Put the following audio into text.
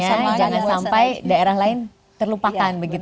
jangan sampai daerah lain terlupakan begitu